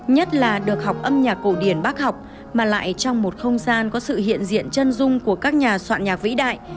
nhất là được học âm nhạc cổ điển bác học mà lại trong một không gian có sự hiện diện chân dung của các nhà soạn nhạc vĩ đại